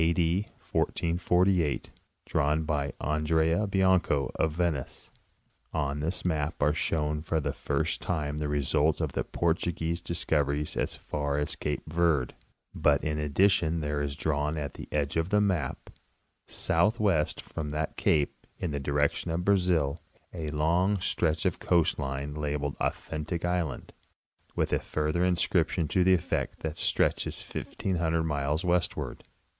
D. 1448, drawn by Andrea Bianco, of Venice. On this map are shown for the first time the result of the Portuguese discoy eries as far as cape Verd, but in addition there is drawn at the edge of the map, southwest from that cape, in the direction of Brazil, a long stretch of coast line labeled ''Authentic island," with a further inscription to the effect that it stretches '£1,500 miles westward.